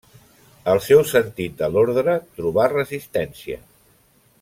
El seu sentit de l'ordre trobà resistència.